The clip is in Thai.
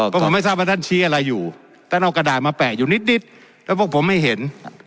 เพราะผมไม่ทราบว่าท่านชี้อะไรอยู่ท่านเอากระดาษมาแปะอยู่นิดแล้วพวกผมไม่เห็น